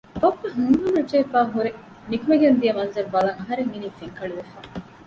ބައްޕަ ހިތްހަމަނުޖެހިފައިހުރެ ނުކުމެގެންދިޔަ މަންޒަރު ބަލަން އަހަރެން އިނީ ފެންކަޅިވެފަ